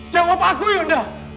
jawab aku yunda